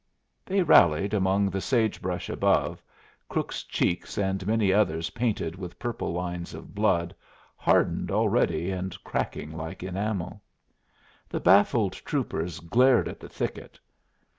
They rallied among the sage brush above, Crook's cheeks and many others painted with purple lines of blood, hardened already and cracking like enamel. The baffled troopers glared at the thicket.